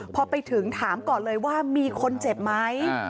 พอไปถึงถามก่อนเลยว่ามีคนเจ็บไหม